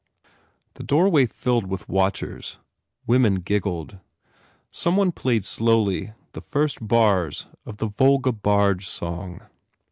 The doorway filled with watchers. Women giggled. Some one played slowly the first bars of the Volga Barge song.